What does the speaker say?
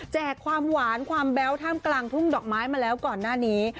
ความหวานความแบ๊วท่ามกลางทุ่งดอกไม้มาแล้วก่อนหน้านี้